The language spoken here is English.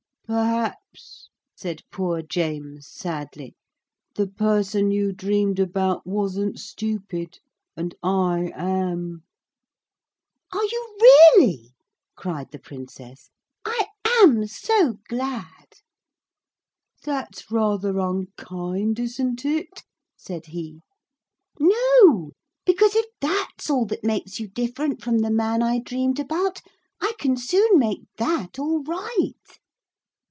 'Perhaps,' said poor James sadly, 'the person you dreamed about wasn't stupid, and I am.' 'Are you really?' cried the Princess. 'I am so glad!' 'That's rather unkind, isn't it?' said he. 'No; because if that's all that makes you different from the man I dreamed about I can soon make that all right.'